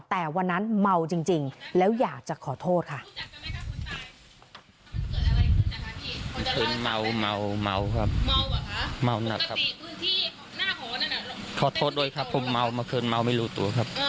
แต่วันนั้นเมาจริงแล้วอยากจะขอโทษค่ะ